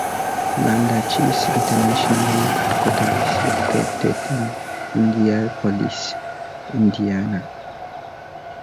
Lambda Chi's International Headquarters is located in Indianapolis, Indiana.